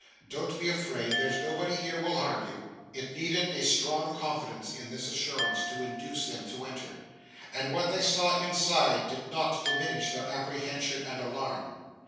'Don't be afraid. There's nobody here will harm you.' It needed a strong confidence in this assurance to induce them to enter, and what they saw inside did not diminish their apprehension and alarm.